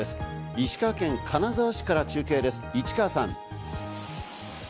石川県金沢市から中継です、市川さん。